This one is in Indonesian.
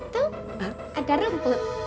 tuh ada rumput